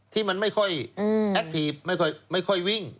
ที่มันไม่ค่อยแอคทีฟไม่ค่อยวิ่ง